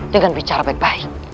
dengan bicara baik baik